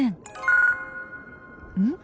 うん？